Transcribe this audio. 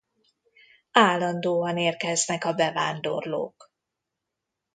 Állandóan érkeznek a bevándorlók.